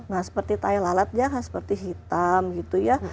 nah seperti tayel alatnya kan seperti hitam gitu ya